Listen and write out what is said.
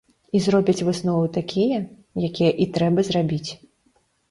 І зробяць высновы такія, якія і трэба зрабіць.